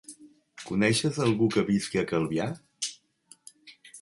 Coneixes algú que visqui a Calvià?